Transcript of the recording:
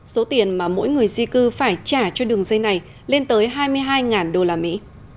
số tiền mà mỗi người di cư phải trả cho đường dây này lên tới hai mươi hai đô la mỹ